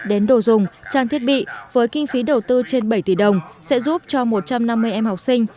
đến đồ dùng trang thiết bị với kinh phí đầu tư trên bảy tỷ đồng sẽ giúp cho một trăm năm mươi em học sinh